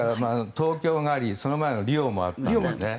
東京がありその前のリオもあったんですね。